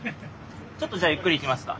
ちょっとじゃあゆっくり行きますか。